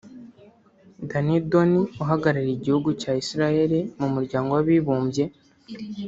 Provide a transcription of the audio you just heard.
Danny Danon uhagarariye igihugu cya Israel mu Muryango w’Abibumbye